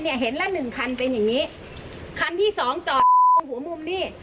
เห็นละหนึ่งคันเป็นอย่างงี้คันที่สองจอดตรงหัวมุมนี่